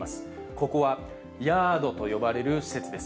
ここはヤードと呼ばれる施設です。